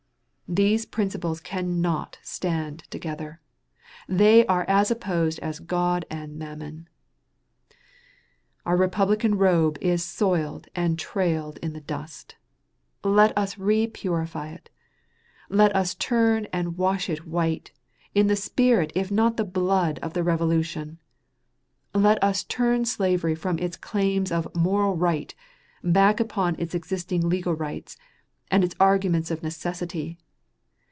These principles cannot stand together. They are as opposite as God and mammon. Our Republican robe is soiled and trailed in the dust. Let us repurify it. Let us turn and wash it white, in the spirit if not the blood of the Revolution. Let us turn slavery from its claims of "moral right" back upon its existing legal rights, and its arguments of "necessity."